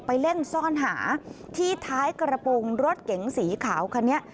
ไปเล่นซ่อนหาที่ท้ายกระโปรงรถเก๋งสีขาวคันนี้